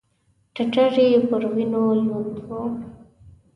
ټټر يې پر وينو لوند و.